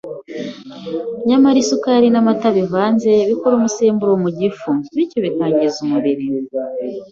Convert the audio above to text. Nyamara isukari n’amata bivanze bikora umusemburo mu gifu, bityo bikangiza umubiri.